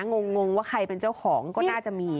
งงว่าใครเป็นเจ้าของก็น่าจะมี